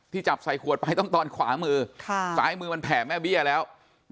จับใส่ขวดไปต้องตอนขวามือซ้ายมือมันแผ่แม่เบี้ยแล้ว